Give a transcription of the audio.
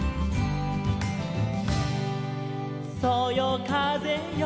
「そよかぜよ